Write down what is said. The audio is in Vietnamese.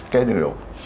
cái đường ruột